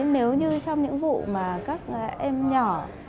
nếu như trong những vụ mà các em nhỏ